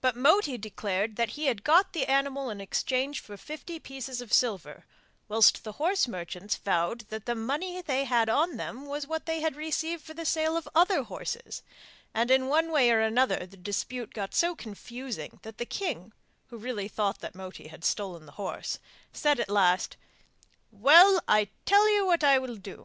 But Moti declared that he had got the animal in exchange for fifty pieces of silver, whilst the horse merchants vowed that the money they had on them was what they had received for the sale of other horses; and in one way and another the dispute got so confusing that the king (who really thought that Moti had stolen the horse) said at last, 'Well, I tell you what I will do.